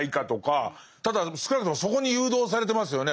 ただ少なくともそこに誘導されてますよね